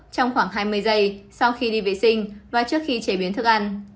trong khoảng hai mươi giây sau khi đi vệ sinh và trước khi chế biến thức ăn